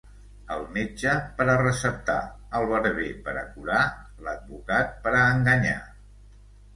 El metge per a receptar, el barber per a curar, l'advocat per a enganyar.